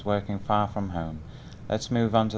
tôi xin giúp đại gia thương mộ